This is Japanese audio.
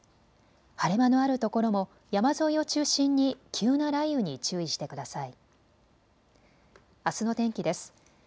晴れ間のあるところも山沿いを中心に急な雷雨に注意してください。